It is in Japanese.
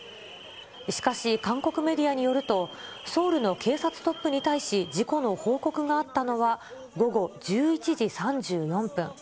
しかし、韓国メディアによると、ソウルの警察トップに対し、事故の報告があったのは午後１１時３４分。